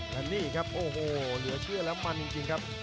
และนี่ครับโอ้โหเหลือเชื่อแล้วมันจริงครับ